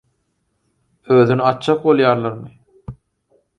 Özüni atjak bolýarlarmy?